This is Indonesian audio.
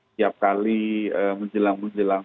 setiap kali menjelang menjelang